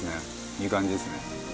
いい感じですね。